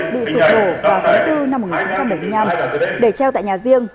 bị sụp đổ vào tháng bốn năm một nghìn chín trăm bảy mươi năm để treo tại nhà riêng